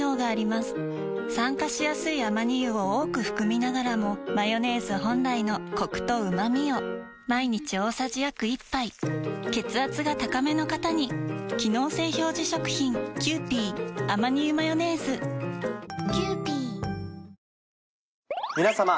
酸化しやすいアマニ油を多く含みながらもマヨネーズ本来のコクとうまみを毎日大さじ約１杯血圧が高めの方に機能性表示食品皆様。